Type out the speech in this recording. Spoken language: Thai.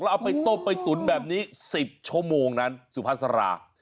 เอาไปต้มไปตุ๋นแบบนี้๑๐ชั่วโมงนั้นสุภาษารา